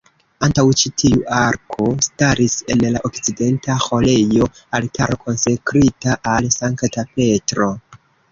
Antaŭ ĉi tiu arko staris en la okcidenta ĥorejo altaro konsekrita al Sankta Petro.